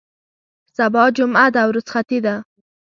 سبا جمعه ده او رخصتي ده.